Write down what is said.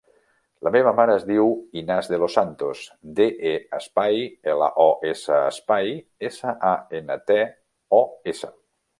La meva mare es diu Inas De Los Santos: de, e, espai, ela, o, essa, espai, essa, a, ena, te, o, essa.